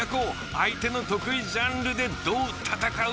相手の得意ジャンルでどう戦う？